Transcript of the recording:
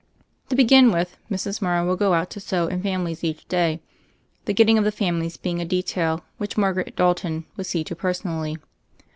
To begin with, Mrs. Morrow would go out to sew in families each day, the getting of the families being a detail which Margaret Dalton would see to personally.